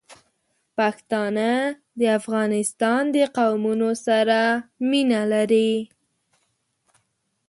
پښتانه د افغانستان د قومونو سره مینه لري.